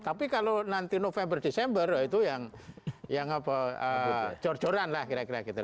tapi kalau nanti november desember itu yang jor joran lah kira kira gitu